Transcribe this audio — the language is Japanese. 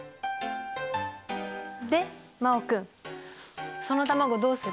で真旺君その卵どうする？